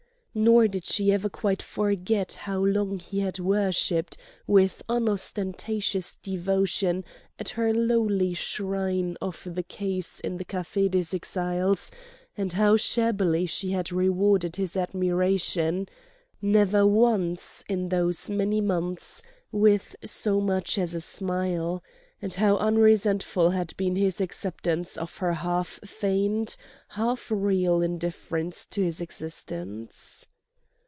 Nor did she ever quite forget how long he had worshipped with unostentatious devotion at her lowly shrine of the caisse in the Café des Exiles, and how shabbily she had rewarded his admiration—never once, in those many months, with so much as a smile—and how unresentful had been his acceptance of her half feigned, half real indifference to his existence.